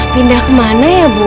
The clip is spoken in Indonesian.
pindah kemana ya bu